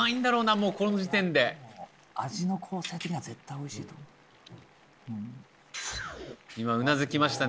もうこの時点で味の構成的には絶対おいしいと思う今うなずきましたね